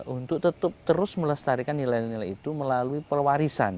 untuk tetap terus melestarikan nilai nilai itu melalui pewarisan